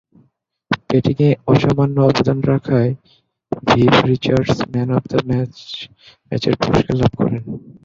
ব্যাটিংয়ে অসামান্য অবদান রাখায় Viv Richards man of the ম্যাচের পুরস্কার লাভ করেন।